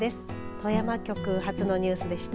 富山局発のニュースでした。